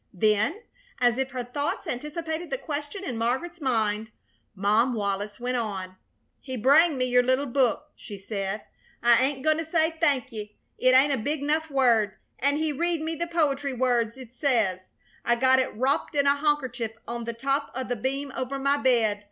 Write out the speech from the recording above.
Then, as if her thoughts anticipated the question in Margaret's mind, Mom Wallis went on: "He brang me your little book," she said. "I ain't goin' to say thank yeh, it ain't a big 'nuf word. An' he read me the poetry words it says. I got it wropped in a hankercher on the top o' the beam over my bed.